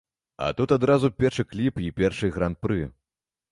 А тут адразу першы кліп і першае гран-пры.